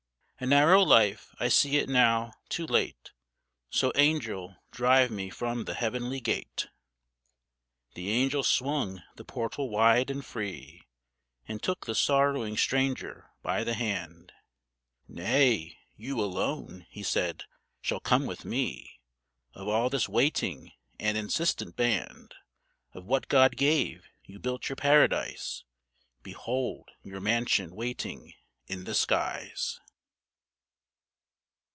A narrow life; I see it now, too late; So, Angel, drive me from the heavenly gate." The Angel swung the portal wide and free, And took the sorrowing stranger by the hand. "Nay, you alone," he said, "shall come with me, Of all this waiting and insistent band. Of what God gave, you built your paradise; Behold your mansion waiting in the skies."